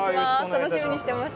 楽しみにしてました